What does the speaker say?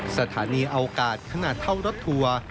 สถานีอวกาศขนาดเท่ารถทัวร์